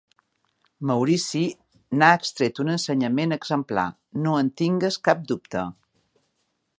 Maurici n’ha extret un ensenyament exemplar, no en tingues cap dubte.